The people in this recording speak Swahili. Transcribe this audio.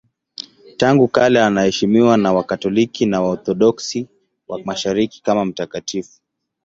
Tangu kale anaheshimiwa na Wakatoliki na Waorthodoksi wa Mashariki kama mtakatifu.